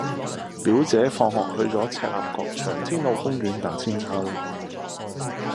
表姐放學去左赤鱲角翔天路公園打韆鞦